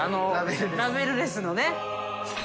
ラベルレスです。